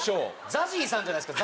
ＺＡＺＹさんじゃないですか。